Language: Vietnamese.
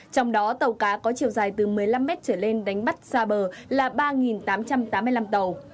trong đó tàu cá có chiều dài từ một mươi năm mét trở lên đánh bắt xa bờ là ba tám trăm tám mươi năm tàu